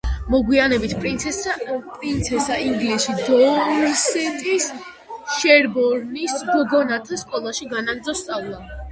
მოგვიანებით პრინცესა ინგლისში, დორსეტის შერბორნის გოგონათა სკოლაში განაგრძო სწავლა.